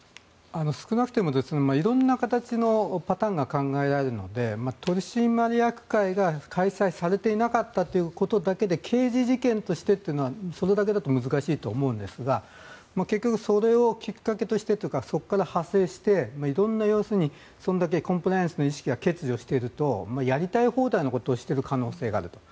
少なくとも色んな形のパターンが考えられるので取締役会が開催されていなかったということだけで刑事事件としてというのはそれだけだと難しいと思うんですがそれをきっかけとしてというかそこから派生して色んな、要するにそれだけコンプライアンスの意識が欠如しているとやりたい放題のことをしている可能性があると。